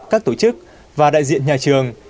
các tổ chức và đại diện nhà trường